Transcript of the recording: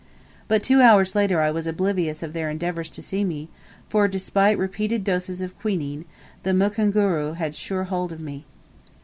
But two hours later I was oblivious of their endeavours to see me; for, despite repeated doses of quinine, the mukunguru had sure hold of me.